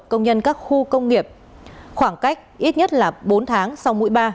công nhân các khu công nghiệp khoảng cách ít nhất là bốn tháng sau mũi ba